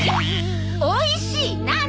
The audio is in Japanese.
おいしい何！？